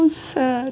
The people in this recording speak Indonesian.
kalian sama aram